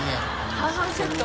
半半セット？